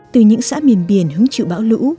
từ những xã miền biển hứng chịu bão lũ